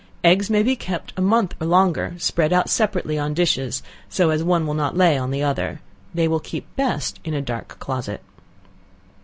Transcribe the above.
Eggs may be kept a month or longer, spread out separately on dishes, so as one will not lay on another. They will keep best in a dark closet.